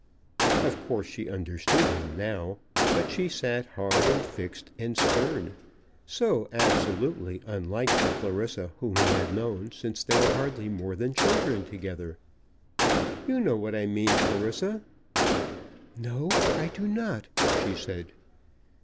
Of course she understood him now; but she sat hard, and fixed, and stern, so absolutely unlike the Clarissa whom he had known since they were hardly more than children together! "You know what I mean, Clarissa." "No; I do not," she said.